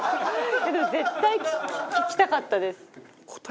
でも絶対聞きたかったです。